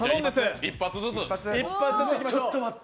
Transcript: １発ずついきましょう。